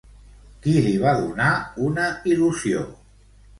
Qui li va donar una il·lusió?